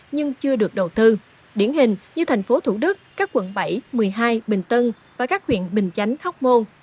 nhưng chưa được đầu tư điển hình như thành phố thủ đức các quận bảy một mươi hai bình tân và các huyện bình chánh hóc môn